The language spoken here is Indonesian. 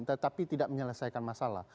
tetapi tidak menyelesaikan masalah